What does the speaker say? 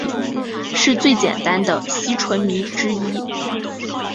是最简单的烯醇醚之一。